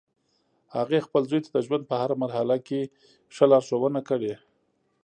هغې خپل زوی ته د ژوند په هر مرحله کې ښه لارښوونه کړی